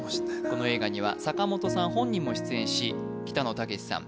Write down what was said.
この映画には坂本さん本人も出演し北野武さん